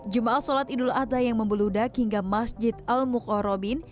jemaah sholat idul adha yang membeludak hingga masjid al ⁇ murobin